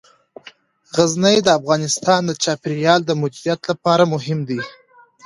غزني د افغانستان د چاپیریال د مدیریت لپاره مهم دي.